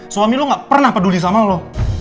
suami lo gak pernah peduli sama lo